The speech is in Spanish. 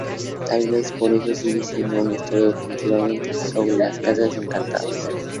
Tal vez por eso sigue siendo la historia definitiva sobre casas encantadas".